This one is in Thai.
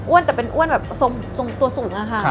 อ้วนแต่เป็นอ้วนแบบตัวสุดนะคะ